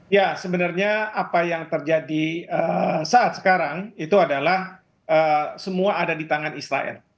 ya sebenarnya apa yang terjadi saat sekarang itu adalah semua ada di tangan israel